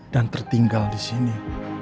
dan tertinggal di sini